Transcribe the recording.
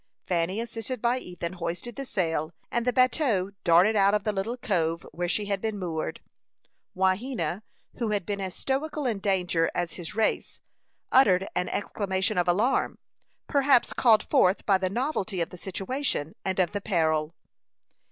Fanny, assisted by Ethan, hoisted the sail, and the bateau darted out of the little cove where she had been moored. Wahena, who had been as stoical in danger as his race, uttered an exclamation of alarm, perhaps called forth by the novelty of the situation and of the peril.